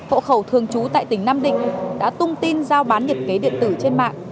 hộ khẩu thường trú tại tỉnh nam định đã tung tin giao bán nhiệt kế điện tử trên mạng